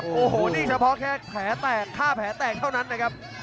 โอ้โหนี่เฉพาะค่าแผลแตกเท่านั้นนะครับ